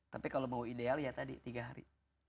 tapi kalau mau ideal ya tadi tiga hari